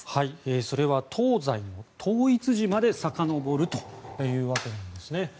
それは東西の統一時までさかのぼるというわけなんです。